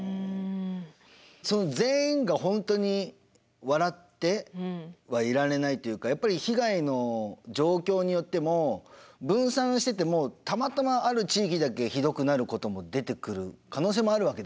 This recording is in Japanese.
その全員が本当に笑ってはいられないっていうかやっぱり被害の状況によっても分散しててもたまたまある地域だけひどくなることも出てくる可能性もあるわけですよね。